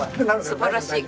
素晴らしい。